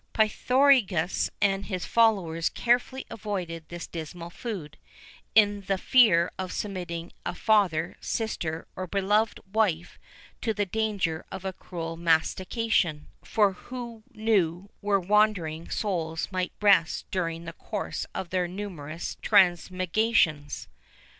[VIII 3] Pythagoras and his followers carefully avoided this dismal food, in the fear of submitting a father, sister, or beloved wife to the danger of a cruel mastication;[VIII 4] for who knew where wandering souls might rest during the course of their numerous transmigrations.